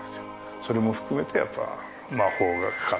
それも含めてやっぱ。